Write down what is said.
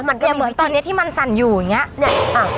มันก็มีตอนเนี้ยที่มันสั่นอยู่อย่างเงี้ยเนี้ยอ่า